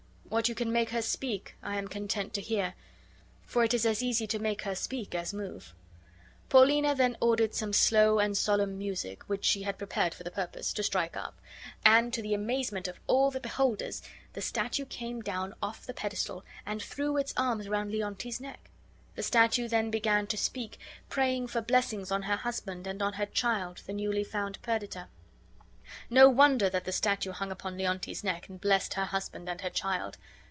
What you can make her speak I am content to hear; for it is as easy to make her speak as move." Paulina then ordered some slow and solemn music, which she had prepared for the purpose, to strike up; and, to the amazement of all the beholders, the statue came down from off the pedestal and threw its arms around Leontes's neck. The statue then began to speak, praying for blessings on her husband and on her child, the newly found Perdita. No wonder that the statue hung upon Leontes's neck and blessed her husband and her child.